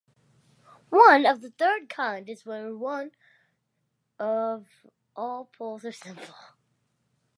One of the third kind is one where all poles are simple.